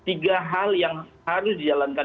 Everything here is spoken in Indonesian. tiga hal yang harus dijalankan